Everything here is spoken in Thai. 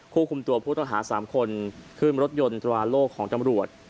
คุมตัวผู้ต้องหา๓คนขึ้นรถยนต์ตราโล่ของตำรวจ